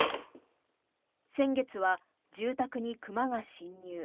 先月は住宅に熊が侵入。